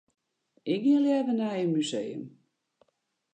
Ik gean leaver nei in museum.